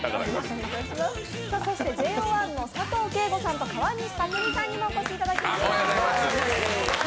ＪＯ１の佐藤景瑚さんと川西拓実さんにもお越しいただきました。